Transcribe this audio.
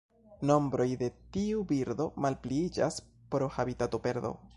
Nombroj de tiu birdo malpliiĝas pro habitatoperdo.